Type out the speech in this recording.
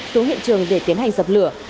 xuống hiện trường để tiến hành dập lửa